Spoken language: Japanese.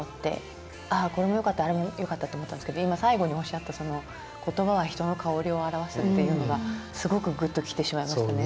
ああこれもよかったあれもよかったって思ったんですけど今最後におっしゃったその「言葉は人の香りを表す」っていうのがすごくグッときてしまいましたね。